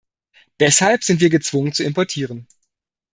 Deshalb sind wir gezwungen zu importieren.